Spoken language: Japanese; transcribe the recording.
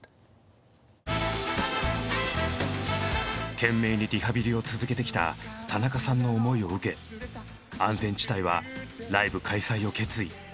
懸命にリハビリを続けてきた田中さんの思いを受け安全地帯はライブ開催を決意。